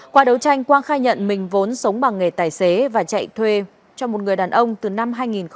qua đấu tranh quang khai nhận mình vốn sống bằng nghề tài xế và chạy thuê cho một người đàn ông từ năm hai nghìn một mươi